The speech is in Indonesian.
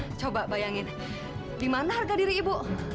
nah coba bayangin di mana harga diri ibu